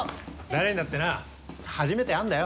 誰にだってな初めてはあんだよ。